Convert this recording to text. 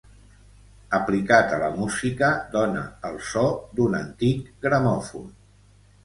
Aplicat a la música, dóna el so d'un antic gramòfon.